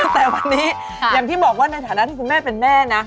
แต่วันนี้อย่างที่บอกว่านาธาราชีพหลุงแม่เป็นแม่